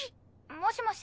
「もしもし？